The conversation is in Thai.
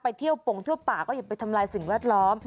เที่ยวปงเที่ยวป่าก็อย่าไปทำลายสิ่งแวดล้อม